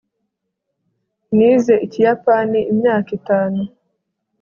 nize ikiyapani imyaka itanu